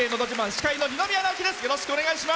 司会の二宮直輝です。